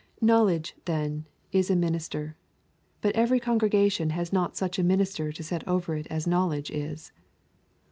Knowledge, then, is a minister; but every congregation has not such a minister set over it as Knowledge is.